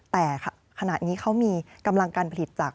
แต่ขณะนี้เขามีกำลังการผลิตจาก